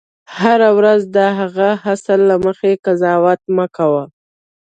هره ورځ د هغه حاصل له مخې قضاوت مه کوه.